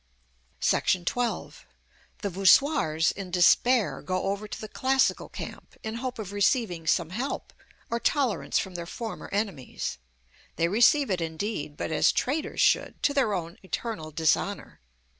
§ XII. The voussoirs, in despair, go over to the classical camp, in hope of receiving some help or tolerance from their former enemies. They receive it indeed: but as traitors should, to their own eternal dishonor.